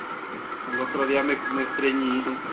El equipo perdió la final por el ascenso al máximo circuito.